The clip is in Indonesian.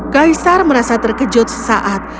kaisar merasa terkejut sesaat